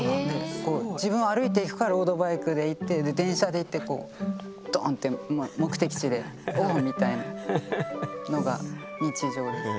自分は歩いていくかロードバイクで行ってで電車で行ってこうドーンってみたいのが日常です。